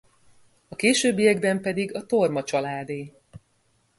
A későbbiekben pedig a Torma családé.